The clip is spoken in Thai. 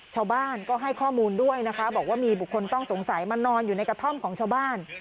ชาวบ้านก็ให้ข้อมูลด้วยนะคะบอกว่ามีบุคคลต้องสงสัยมานอนอยู่ในกระท่อมของชาวบ้าน